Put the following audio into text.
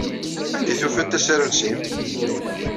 Anda ay tufiḍ tasarut-nnem?